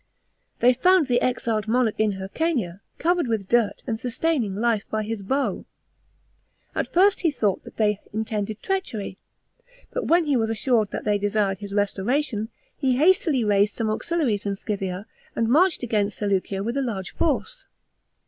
They found the exiled monarch in Hyrcania, covered with dirt and sustaining life by his bow. At first he thought that they intended treachery, but when he was assured that they desired his restoration, he hastily raised some auxiliaries in Scythia, and marched against Seleucia with a large force.